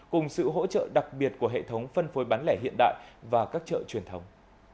cùng sự hỗ trợ đặc biệt của hệ thống phân phối bán lẻ hiện đại và các chợ truyền thống